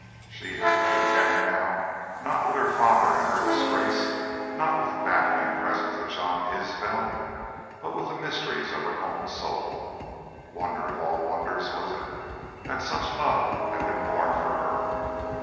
She had to contend now, not with her father and her disgrace, not with the baffling presence of Jean Isbel, but with the mysteries of her own soul. Wonder of all wonders was it that such love had been born for her.